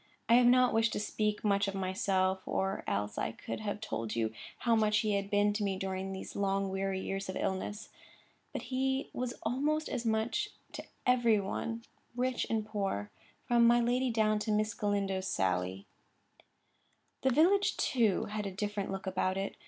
I have not wished to speak much of myself, or else I could have told you how much he had been to me during these long, weary years of illness. But he was almost as much to every one, rich and poor, from my lady down to Miss Galindo's Sally. The village, too, had a different look about it.